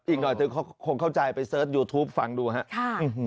อีกหน่อยเธอคงเข้าใจไปเสิร์ชยูทูปฟังดูครับ